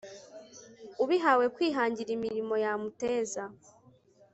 ubihawe kwihangira imirimo yamuteza